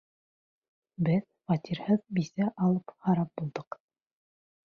Беҙ фатирһыҙ бисә алып харап булдыҡ.